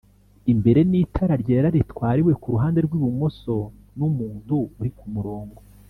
Imbere n itara ryera ritwariwe ku ruhande rw ibumoso n umuntu uri ku murongo